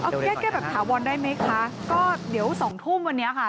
เอาแก้แก้แบบถาวรได้ไหมคะก็เดี๋ยวสองทุ่มวันนี้ค่ะ